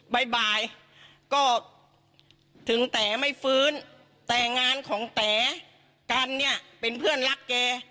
บ่ายก็ถึงแต๋ไม่ฟื้นแต่งานของแต๋กันเนี่ยเป็นเพื่อนรักแก